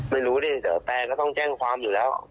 ไม่รู้ดิแต่ก็ต้องแจ้งความอยู่แล้ว